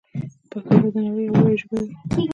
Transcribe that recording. پښتو به د نړۍ یوه لویه ژبه وي.